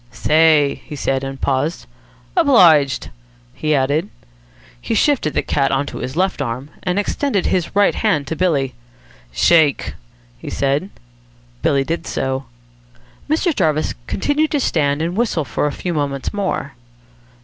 "Say!" he said, and paused. "Obliged," he added. He shifted the cat on to his left arm, and extended his right hand to Billy. "Shake!" he said. Billy did so. Mr. Jarvis continued to stand and whistle for a few moments more.